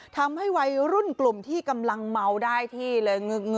ทำให้วัยรุ่นกลุ่มที่กำลังเมาได้ที่เลย